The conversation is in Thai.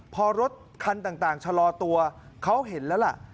พอรถคันต่างชะลอตัวเขาเห็นแล้วล่ะ